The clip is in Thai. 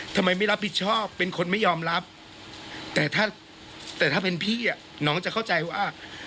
ทำไมไม่รับผิดชอบเป็นคนไม่ยอมรับแต่ถ้าแต่ถ้าเป็นพี่น้องจะเข้าใจว่า